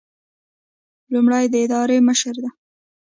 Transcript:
لومړی د ادارې مشري ده.